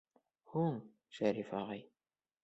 Һуң, Шәриф ағай...